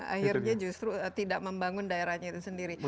akhirnya justru tidak membangun daerahnya itu sendiri